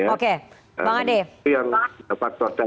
oke bang ade